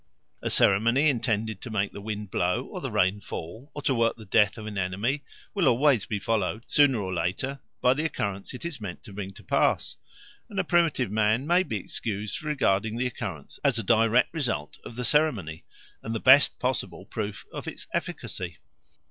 A ceremony intended to make the wind blow or the rain fall, or to work the death of an enemy, will always be followed, sooner or later, by the occurrence it is meant to bring to pass; and primitive man may be excused for regarding the occurrence as a direct result of the ceremony, and the best possible proof of its efficacy.